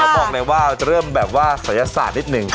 บอกหน่อยว่าจะเริ่มแบบว่าสยศาสตร์นิดนึง